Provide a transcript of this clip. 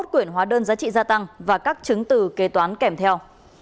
hai mươi một quyển hóa đơn giá trị gia tăng và các chứng từ kê toán kèm theo